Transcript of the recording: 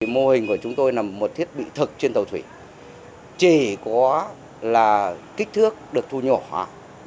mô hình của chúng tôi là một thiết bị thực trên tàu thủy chỉ có là kích thước được thu nhỏ